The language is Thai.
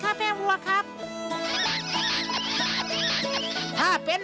และคู่อย่างฉันวันนี้มีความสุขจริง